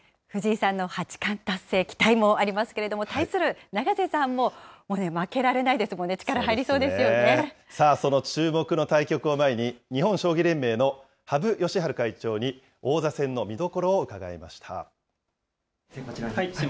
藤井さんの八冠達成、期待もありますけれども、対する永瀬さんももうね、負けられないですもんね、その注目の対局を前に、日本将棋連盟の羽生善治会長に、王座戦の見どころを伺いました。